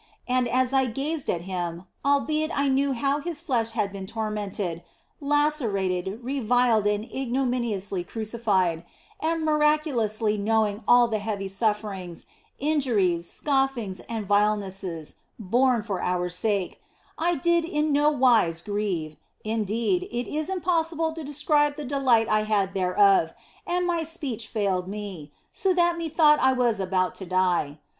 And as I gazed at Him (albeit I knew how His flesh had been tormented, lacerated, reviled, and ignominiously crucified, and miraculously knowing all the heavy sufferings, injuries, scoffings, and vilenesses borne for our sake), I did in no wise grieve, indeed, it is im possible to describe the delight I had thereof, and my 232 THE BLESSED ANGELA speech failed me, so that methought I was about to die.